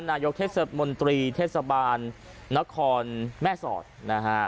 นายกเทศมนตรีเทศบาลนครแม่สอดนะฮะ